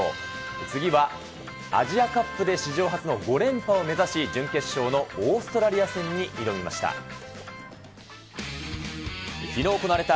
次はアジアカップで史上初の５連覇を目指し、準決勝のオーストラリア戦に挑みました。